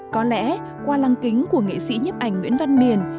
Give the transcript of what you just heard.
có lẽ qua lăng kính của nghệ sĩ nhấp ảnh nguyễn văn miền